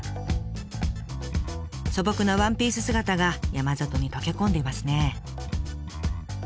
素朴なワンピース姿が山里に溶け込んでいますね。